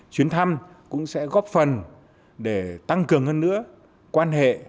chuyến thăm cũng sẽ góp phần để tăng cường hơn nữa quan hệ